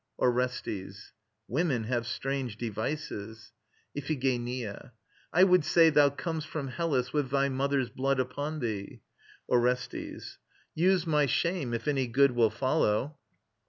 ORESTES. Women have strange devices. IPHIGENIA. I would say Thou com'st from Hellas with thy mother's blood Upon thee. ORESTES. Use my shame, if any good Will follow.